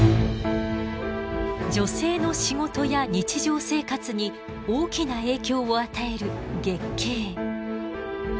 女性の仕事や日常生活に大きな影響を与える月経。